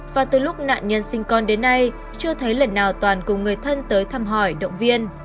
hai nghìn hai mươi ba và từ lúc nạn nhân sinh con đến nay chưa thấy lần nào toàn cùng người thân tới thăm hỏi động viên